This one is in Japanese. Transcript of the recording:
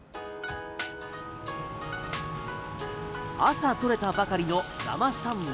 朝取れたばかりの生サンマ。